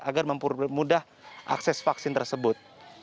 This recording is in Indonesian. agar mempermudah akses vaksin tersebut